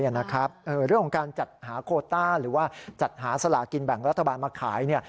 เรื่องของการจัดหาโคต้าหรือว่าจัดหาสลากินแบ่งรัฐบาลมาขาย